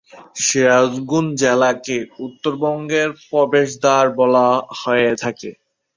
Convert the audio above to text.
সিরাজগঞ্জ জেলাকে উত্তরবঙ্গের প্রবেশদ্বার বলা হয়ে থাকে।